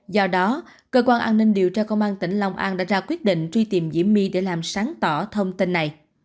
do đó cơ quan an ninh điều tra công an tỉnh long an đã ra quyết định truy tìm diễm my để làm sáng tỏ thông tin này